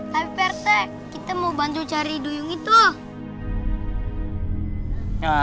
tapi perse kita mau bantu cari duyung itu